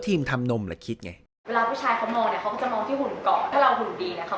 ทำนมมาพอใช้งานไปแล้วมันก็น่ากลัวค่ะ